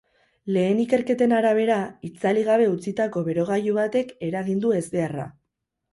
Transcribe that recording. Lehen ikerketen arabera, itzali gabe utzitako berogailu batek eragin du ezbeharra.